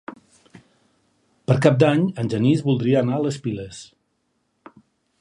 Per Cap d'Any en Genís voldria anar a les Piles.